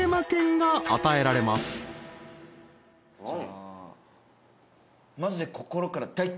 じゃあ。